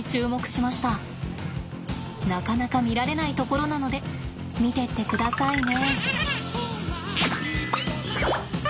なかなか見られないところなので見てってくださいね。